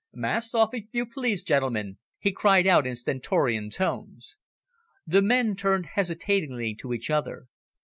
"Masks off, if you please, gentlemen," he cried out in stentorian tones. The men turned hesitatingly to each other.